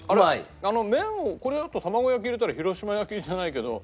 麺をこれだと卵焼き入れたら広島焼きじゃないけど。